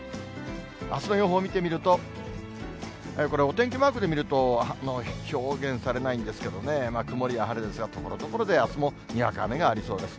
あすの予報を見てみると、これ、お天気マークで見ると、表現されないんですけどね、曇りや晴れですが、ところどころであすもにわか雨がありそうです。